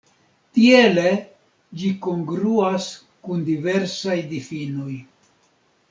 Tiele ĝi kongruas kun diversaj difinoj.